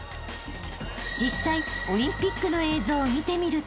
［実際オリンピックの映像を見てみると］